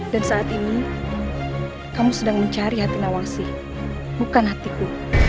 dan saat ini kamu sedang mencari hati nawangsi bukan hatiku